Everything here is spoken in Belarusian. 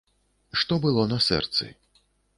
Што было на сэрцы.